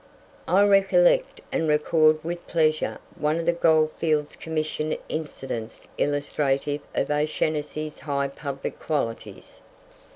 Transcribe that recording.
I recollect and record with pleasure one of the Goldfields Commission incidents illustrative of O'Shanassy's high public qualities.